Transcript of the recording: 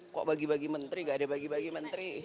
kok bagi bagi menteri gak ada bagi bagi menteri